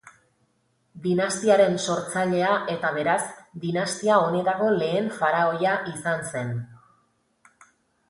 Dinastiaren sortzailea eta, beraz, dinastia honetako lehen faraoia izan zen.